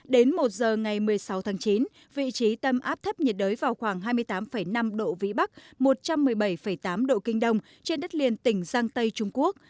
đến một giờ ngày một mươi sáu tháng chín vị trí tâm áp thấp nhiệt đới vào khoảng hai mươi tám năm độ vĩ bắc một trăm một mươi bảy tám độ kinh đông trên đất liền tỉnh giang tây trung quốc